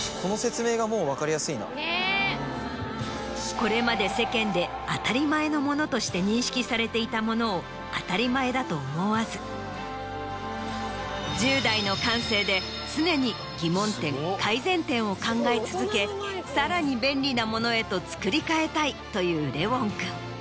これまで世間で当たり前のものとして認識されていたものを当たり前だと思わず１０代の感性で常に疑問点改善点を考え続けさらに便利なものへと作り変えたいというレウォン君。